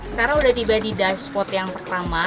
sekarang udah tiba di dive spot yang pertama